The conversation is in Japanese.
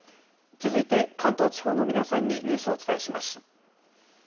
続いて関東地方の皆さんにニュースをお伝えします。